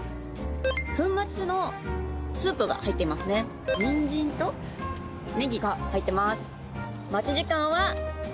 粉末のスープが入っていますねニンジンとネギが入ってます